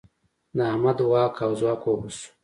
د احمد واک او ځواک اوبه شو.